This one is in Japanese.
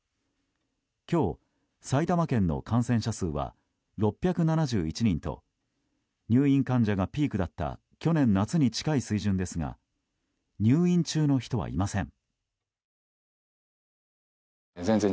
今日、埼玉県の感染者数は６７１人と入院患者がピークだった去年夏に近い水準ですが入院中の人はいません。